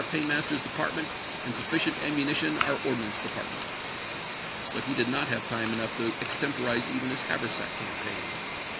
*'^' paymaster's department, and sufficient ammunition jj.^^iil^k our ordnance department." But he did not have time enough to extemporize even his haversack campaign.